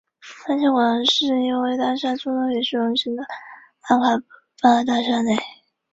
宽线叶柳为杨柳科柳属下的一个变种。